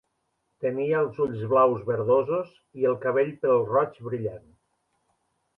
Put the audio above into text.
Tenia els ulls blaus verdosos i el cabell pèl-roig brillant.